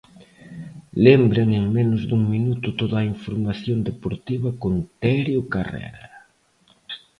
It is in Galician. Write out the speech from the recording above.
Lembren en menos dun minuto toda a información deportiva con Terio Carrera.